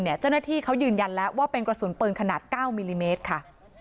เจ้าหน้าที่เขายืนยันแล้วว่าเป็นกระสุนปืนขนาด๙มิลลิเมตรค่ะ